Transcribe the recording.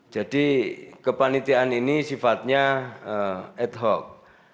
jadi kepanitian ini sifatnya ad hoc